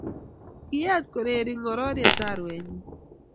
kiet kuureri ngororyet warwenyin